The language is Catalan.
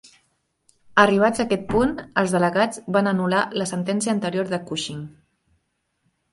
Arribats a aquest punt, els delegats van anul·lar la sentència anterior de Cushing.